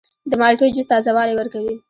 د مالټې جوس تازه والی ورکوي.